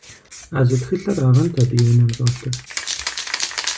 А зы тхылъырагъэнт абы и унэм щӀэлъыр.